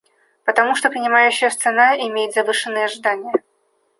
Потому что принимающая страна имеет завышенные ожидания.